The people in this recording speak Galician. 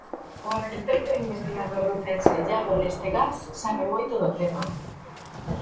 O arquitecto e investigador lucense Iago Lestegás sabe moito do tema.